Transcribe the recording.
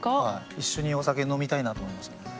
一緒にお酒飲みたいなと思いましたね。